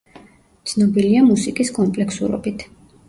ცნობილია მუსიკის კომპლექსურობით.